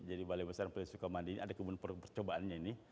jadi balai besar pulau suka mandi ini ada kebun percobaannya ini